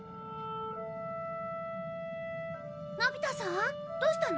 のび太さんどうしたの？